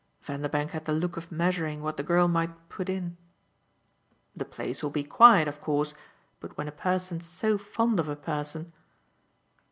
Vanderbank had the look of measuring what the girl might "put in." "The place will be quiet, of course, but when a person's so fond of a person